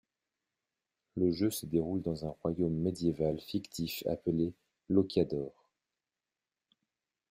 Le jeu se déroule dans un royaume médiéval fictif appelé Lokyadore.